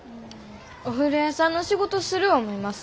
お風呂屋さんの仕事する思います。